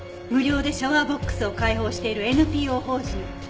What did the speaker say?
「無料でシャワーボックスを開放しているＮＰＯ法人」